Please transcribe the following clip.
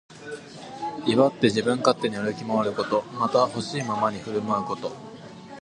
威張って自分勝手に歩き回ること。また、ほしいままに振る舞うこと。